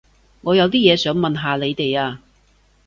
我有啲嘢想問下你哋啊